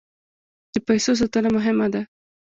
د پیسو ساتنه مهمه ده.